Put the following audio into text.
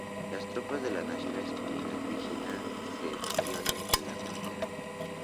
Las tropas de las Naciones Unidas vigilan secciones de la frontera.